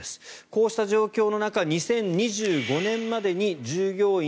こうした状況の中２０２５年までに従業員